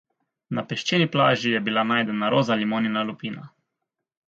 Na peščeni plaži je bila najdena roza limonina lupina.